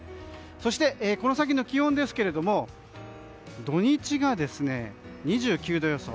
そしてこの先の気温ですが土日が２９度予想。